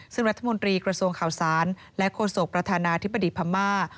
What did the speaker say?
ซึ่งรัฐมนตรีกระทรวงข่าวสารและโฆษกประธานาธิบดีพม่า